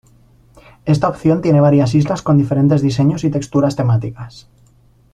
Esta opción tiene varias islas con diferentes diseños y texturas temáticas.